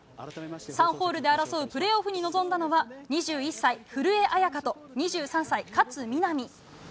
３ホールで争うプレーオフに臨んだのは２１歳、古江彩佳と２３歳、勝みなみ。